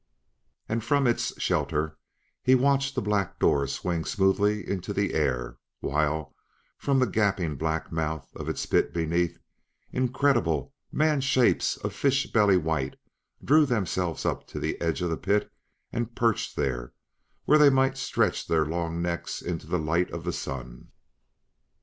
And, from its shelter, he watched the black door swing smoothly into the air, while, from the gaping black mouth of the pit beneath, incredible man shapes of fish belly white drew themselves up to the edge of the pit and perched there, where they might stretch their long necks into the light of the Sun.